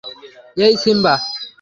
এই, সিম্বা!